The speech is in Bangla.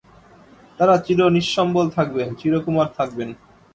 তাঁরা চিরনিঃসম্বল থাকবেন, চিরকুমার থাকবেন।